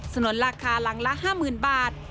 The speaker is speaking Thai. นุนราคาหลังละ๕๐๐๐บาท